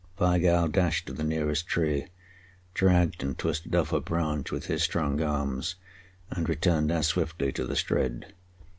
Weigall dashed to the nearest tree, dragged and twisted off a branch with his strong arms, and returned as swiftly to the Strid.